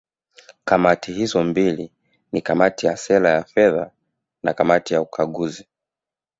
Kamati hizo mbili ni Kamati ya Sera ya Fedha na Kamati ya Ukaguzi